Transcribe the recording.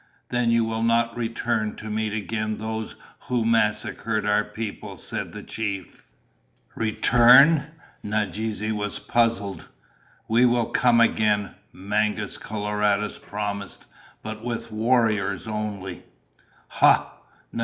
"Then you will not return to meet again those who massacred our people," said the chief. "Return?" Nadeze was puzzled. "We will come again," Mangus Coloradus promised, "but with warriors only." "Ha!"